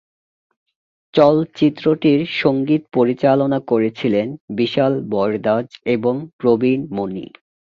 চলচ্চিত্রটির সঙ্গীত পরিচালনা করেছিলেন বিশাল ভরদ্বাজ এবং প্রবীণ মণি।